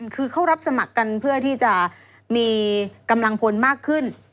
คือเขารับสมัครกันเพื่อที่จะมีกำลังพลมากขึ้น